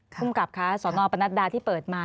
ภูมิกับคะสนปนัดดาที่เปิดมา